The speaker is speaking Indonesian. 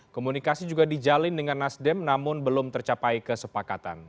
komunikasi juga dijalin dengan nasdem namun belum tercapai kesepakatan